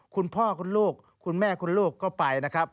คุณพ่อคุณลูกคุณแม่คุณลูกก็ไปนะครับ